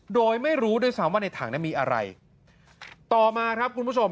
โดยไม่รู้ด้วยซ้ำว่าในถังนั้นมีอะไรต่อมาครับคุณผู้ชม